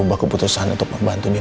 ini gak ada urusannya sama aku sih